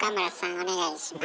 お願いします。